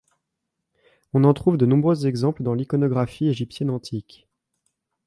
On en trouve de nombreux exemples dans l'iconographie égyptienne antique.